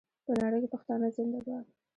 په نړۍ کې پښتانه زنده باد.